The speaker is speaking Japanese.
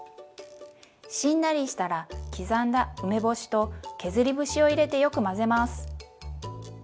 しんなりしたら刻んだ梅干しと削り節を入れてよく混ぜます。